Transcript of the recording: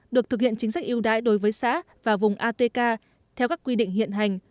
được thực hiện chính sách yêu đái đối với xã và vùng atk theo các quy định hiện hành